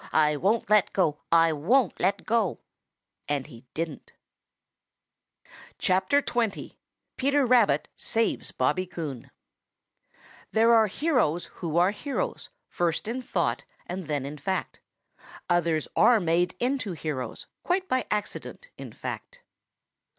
I won't let go. I won't let go." And he didn't. XX. PETER RABBIT SAVES BOBBY COON There are heroes who are heroes First in thought and then in fact. Others are made into heroes; Quite by accident, in fact.